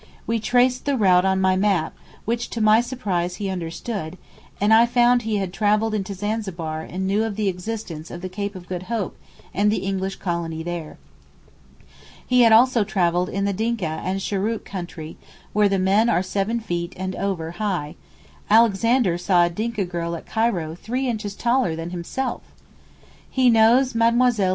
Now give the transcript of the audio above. We traced the route on my map which to my surprise he understood, and I found he had travelled into Zanzibar and knew of the existence of the Cape of Good Hope and the English colony there. He had also travelled in the Dinka and Shurook country where the men are seven feet and over high (Alexander saw a Dinka girl at Cairo three inches taller than himself!). He knows Madlle.